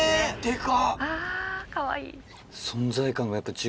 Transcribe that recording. かわいい。